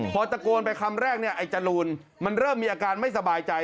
พอตะโกนไปคำแรกเนี่ยไอ้จรูนมันเริ่มมีอาการไม่สบายใจ